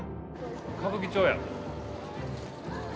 歌舞伎町や！